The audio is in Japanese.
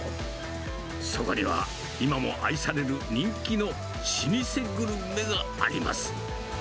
そこには、今も愛される人気の老舗グルメがあります。